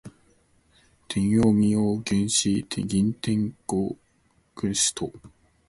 帝王身邊如軍師、欽天監、國師等